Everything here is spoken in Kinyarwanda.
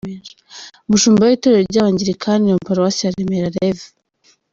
Umushumba w’Itorero ry’Abangirikani Paruwasi ya Remera, Rev.